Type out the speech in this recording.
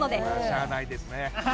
しゃーないですね。